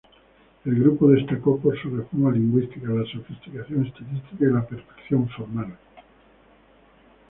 El grupo destacó por su reforma lingüística, la sofisticación estilística y la perfección formal.